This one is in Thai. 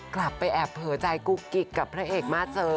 กลับไปแอบเผลอใจกุ๊กกิ๊กกับพระเอกมาเจอ